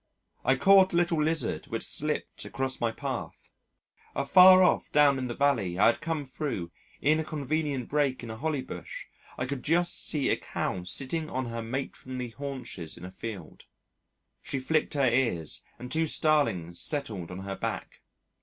I caught a little lizard which slipped across my path.... Afar off down in the valley I had come through, in a convenient break in a holly bush, I could just see a Cow sitting on her matronly haunches in a field. She flicked her ears and two starlings settled on her back.